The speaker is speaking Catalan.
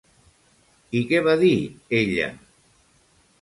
I què va dir, ella?